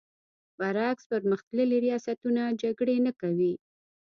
برعکس پر مختللي ریاستونه جګړې نه کوي.